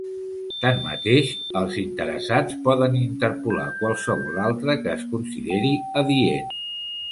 Tanmateix els interessats poden interpolar qualsevol altre que es consideri adient.